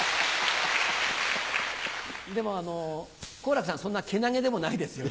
でもあの好楽さんそんなけなげでもないですよ。